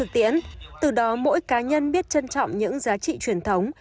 từ đó mỗi cá nhân biết trân trọng những giá trị truyền thống